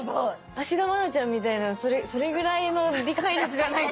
芦田愛菜ちゃんみたいなそれぐらいの理解のしかた。